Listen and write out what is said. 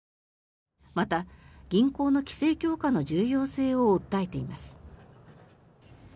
また、銀行の規制強化の重要性を訴えています。